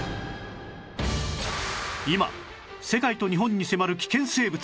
今世界と日本に迫る危険生物